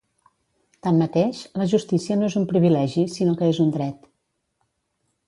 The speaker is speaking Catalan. Tanmateix la justícia no és un privilegi, sinó que és un dret.